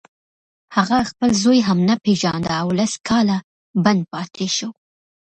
هغه خپل زوی هم نه پېژانده او لس کاله بند پاتې شو